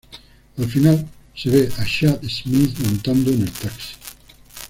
Al final, se ve a Chad Smith montando en el taxi.